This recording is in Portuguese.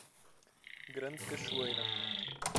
Grande cachoeira